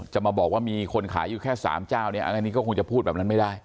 จะมาบอกว่ามีคนขายอยู่แค่๓เจ้าเนี่ยอันนี้ก็คงจะพูดแบบนั้นไม่ได้